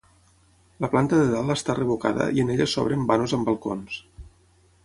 La planta de dalt està revocada i en ella s'obren vanos amb balcons.